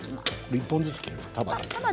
１本ずつ切るの？